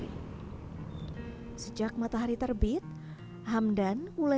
usaha dari bang